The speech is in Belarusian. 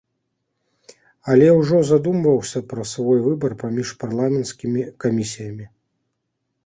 Але ўжо задумваўся пра свой выбар паміж парламенцкімі камісіямі.